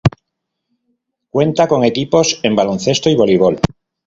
Cuenta con equipos en baloncesto y voleibol.